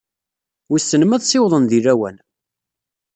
Wissen ma ad ssiwḍen di lawan?